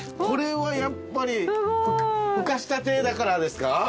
これはやっぱりふかしたてだからですか？